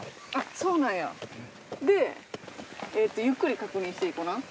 そうなんや。でゆっくり確認していこうな。